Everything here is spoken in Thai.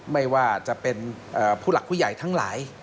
ไม่ว่าจะเป็นผู้หลักผู้ใหญ่ทั้งหลาย